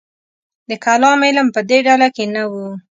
د کلام علم په دې ډله کې نه و.